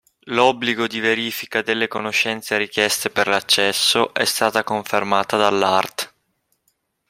L’obbligo di verifica delle conoscenze richieste per l’accesso è stata confermata dall’art.